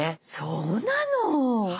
そうなの！